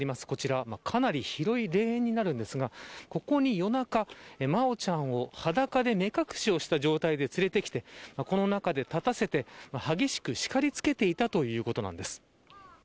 こちらかなり広い霊園になるんですがここに夜中真愛ちゃんを裸で目隠しをした状態で連れてきてこの中で立たせて激しくしかりつけていたということなんです。